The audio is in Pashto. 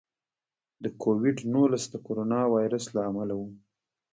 د کوویډ نولس د کورونا وایرس له امله و.